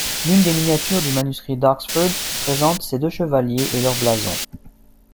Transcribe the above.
L'une des miniatures du manuscrit d'Oxford présente ces deux chevaliers et leurs blasons.